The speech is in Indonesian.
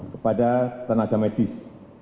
kepada tenaga medis